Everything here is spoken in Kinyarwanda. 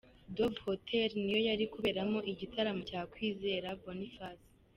Dove Hotel ni yo yari kuberamo igitaramo cya Kwizera Boniface.